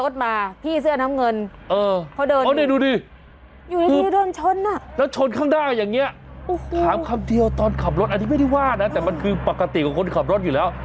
ถามคำเดียวตอนขับรถอันนี้ไม่ได้ว่านะแต่มันคือปกติของคนขับรถอยู่แล้ว